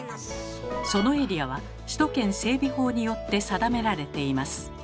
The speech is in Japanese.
そのエリアは首都圏整備法によって定められています。